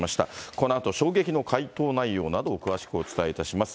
このあと衝撃の回答内容などを詳しくお伝えいたします。